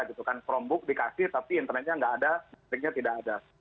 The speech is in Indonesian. chromebook dikasih tapi internetnya tidak ada